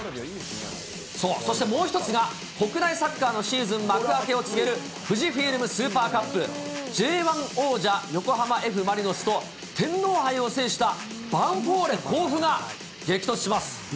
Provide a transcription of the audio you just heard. そしてもう１つが、国内サッカーのシーズン幕開けを告げる、フジフイルムスーパーカップ、Ｊ１王者、横浜Ｆ・マリノスと天皇杯を制したヴァンフォーレ甲府が激突します。